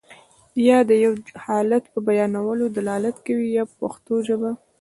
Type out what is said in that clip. یا د یو حالت په بیانولو دلالت کوي په پښتو ژبه.